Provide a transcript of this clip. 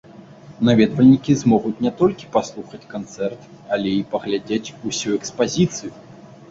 Наведвальнікі змогуць не толькі паслухаць канцэрт, але і паглядзець усю экспазіцыю.